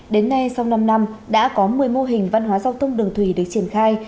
đến nay sau năm năm đã có một mươi mô hình văn hóa giao thông đường thủy được triển khai